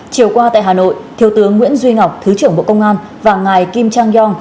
chiều qua tại hà nội thiếu tướng nguyễn duy ngọc thứ trưởng bộ công an và ngài kim trang yong